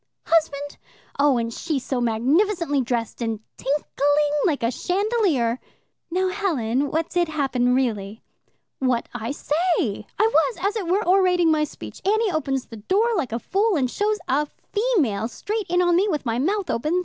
husband?' Oh, and she so magnificently dressed and tinkling like a chandelier." "Now, Helen, what did happen really?" "What I say. I was, as it were, orating my speech. Annie opens the door like a fool, and shows a female straight in on me, with my mouth open.